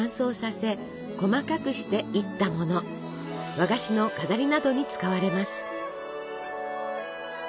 和菓子の飾りなどに使われます。